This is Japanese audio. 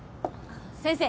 先生